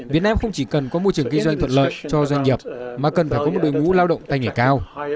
việt nam không chỉ cần có môi trường kinh doanh thuận lợi cho doanh nghiệp mà cần phải có một đội ngũ lao động tay nghề cao